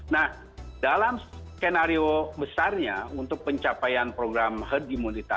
nah dalam skenario besarnya untuk pencapaian program heart immunity